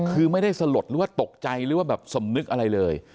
คือไม่ได้สลดหรือว่าตกใจหรือว่าแบบสำนึกอะไรเลย